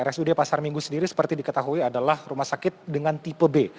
rsud pasar minggu sendiri seperti diketahui adalah rumah sakit dengan tipe b